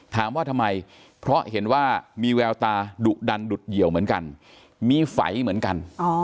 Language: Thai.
ถามว่าทำไมเพราะเห็นว่ามีแววตาดุดันดุดเหี่ยวเหมือนกันมีไฟเหมือนกัน